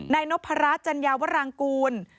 นายนพรัชจัญญาวรางกูล